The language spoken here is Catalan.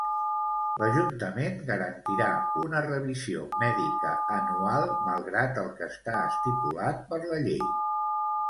L'Ajuntament garantirà una revisió mèdica anual malgrat el que està estipulat per la llei.